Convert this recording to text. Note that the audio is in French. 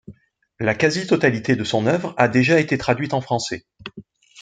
La quasi-totalité de son œuvre a déjà été traduite en français.